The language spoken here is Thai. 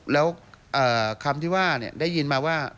แล้วคำที่ว่าได้ยินมาว่า